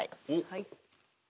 はい。